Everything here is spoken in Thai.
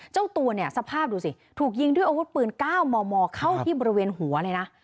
เจ้าตัวเนี่ยสภาพดูสิถูกยิงด้วยอาวุธปืน๙มมเข้าที่บริเวณหัวเลยนะ